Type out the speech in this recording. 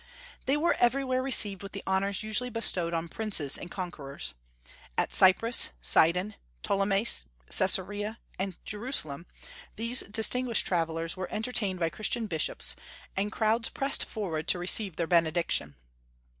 They were everywhere received with the honors usually bestowed on princes and conquerors. At Cyprus, Sidon, Ptolemais, Caesarea, and Jerusalem these distinguished travellers were entertained by Christian bishops, and crowds pressed forward to receive their benediction.